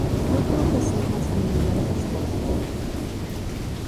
Yo creo que soy más bien una transformadora.